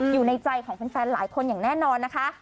อยู่ในใจของแฟนหลายคนอย่างแน่นอนนะคะ